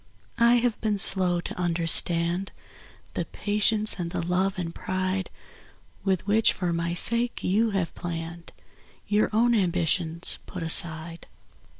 I have been slow to understand The patience and the love and pride "With which for my sake you have hour own ambitions put aside.